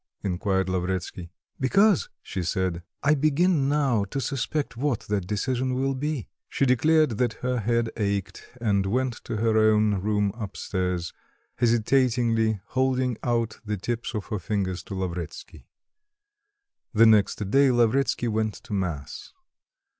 inquired Lavretsky. "Because," she said, "I begin now to suspect what that decision will be." She declared that her head ached and went to her own room up stairs, hesitatingly holding out the tips of her fingers to Lavretsky. The next day Lavretsky went to mass.